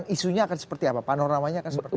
isunya akan seperti apa panoramanya akan seperti apa